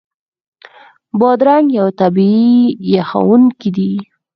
بادرنګ یو طبعي یخونکی دی.